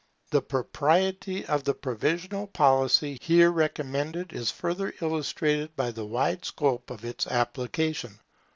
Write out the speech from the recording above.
The propriety of the provisional policy here recommended is further illustrated by the wide scope of its application.